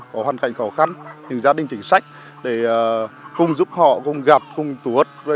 có hoàn cảnh khó khăn những gia đình chính sách để cùng giúp họ cùng gặp cùng tù hợp